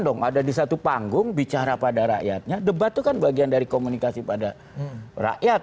dong ada di satu panggung bicara pada rakyatnya debat itu kan bagian dari komunikasi pada rakyat